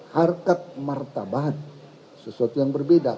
harkat martabat sesuatu yang berbeda